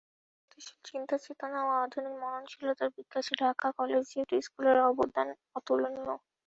প্রগতিশীল চিন্তাচেতনা ও আধুনিক মননশীলতার বিকাশে ঢাকা কলেজিয়েট স্কুলের অবদান অতুলনীয়।